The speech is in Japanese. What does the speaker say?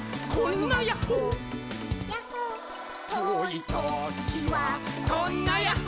「とおいときはこんなやっほ」